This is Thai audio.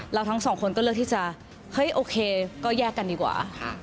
ทั้งสองคนก็เลือกที่จะเฮ้ยโอเคก็แยกกันดีกว่า